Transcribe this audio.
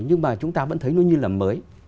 nhưng mà chúng ta vẫn thấy nó như là mới